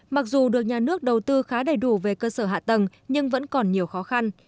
mặc dù được nhà nước đầu tư khá đầy đủ về cơ sở hạ tầng nhưng vẫn còn nhiều khó khăn